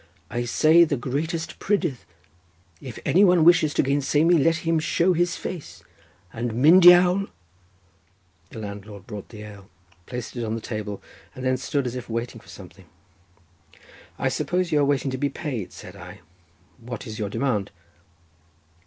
"I say the greatest prydydd. If any one wishes to gainsay me let him show his face, and Myn Diawl—" The landlord brought the ale, placed it on the table, and then stood as if waiting for something. "I suppose you are waiting to be paid," said I; "what is your demand?"